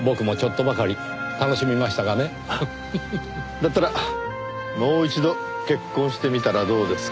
だったらもう一度結婚してみたらどうですか？